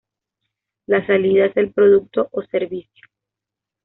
La salida es el producto o servicio.